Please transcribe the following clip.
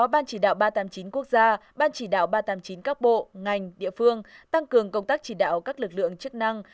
ban chỉ đạo ba trăm tám mươi chín quốc gia ban chỉ đạo ba trăm tám mươi chín các bộ ngành địa phương tăng cường công tác chỉ đạo các lực lượng chức năng